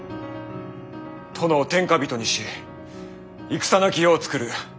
殿を天下人にし戦なき世を作る。